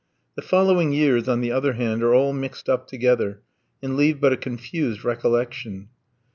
The following years on the other hand are all mixed up together, and leave but a confused recollection.